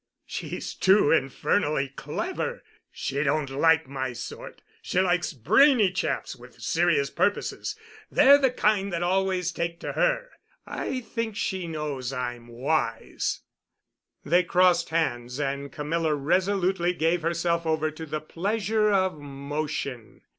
"She's too infernally clever. She don't like my sort. She likes brainy chaps with serious purposes. They're the kind that always take to her. I think she knows I'm 'wise.'" They crossed hands, and Camilla resolutely gave herself over to the pleasure of motion.